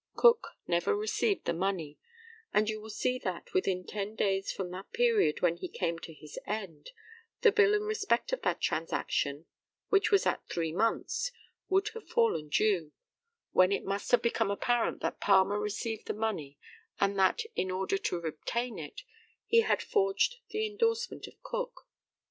Cook never received the money, and you will see that, within ten days from that period when he came to his end, the bill in respect of that transaction, which was at three months, would have fallen due, when it must have become apparent that Palmer received the money, and that, in order to obtain it, he had forged the endorsement of Cook."